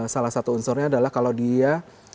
salah satu unsurnya adalah kalau dia